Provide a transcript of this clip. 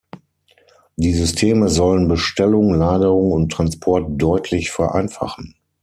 Die Systeme sollen Bestellung, Lagerung und Transport deutlich vereinfachen.